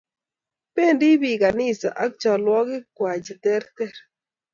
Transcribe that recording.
Bendi bik kanisa ak nyalwogik kwai che ter ter